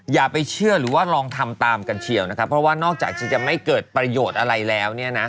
อย่าไปเชื่อหรือว่าลองทำตามกันเชียวนะครับเพราะว่านอกจากจะไม่เกิดประโยชน์อะไรแล้วเนี่ยนะ